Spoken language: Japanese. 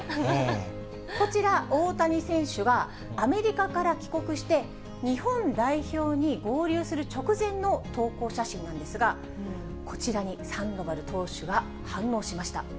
こちら、大谷選手が、アメリカから帰国して、日本代表に合流する直前の投稿写真なんですが、こちらにサンドバル投手が反応しました。